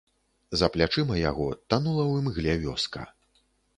За плячыма яго танула ў імгле вёска.